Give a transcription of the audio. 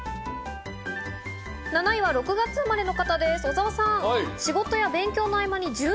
７位は６月生まれの方、小澤さんです。